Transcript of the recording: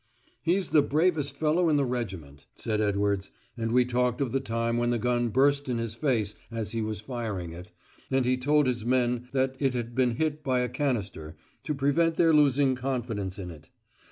"He's the bravest fellow in the regiment," said Edwards, and we talked of the time when the gun burst in his face as he was firing it, and he told his men that it had been hit by a canister, to prevent their losing confidence in it.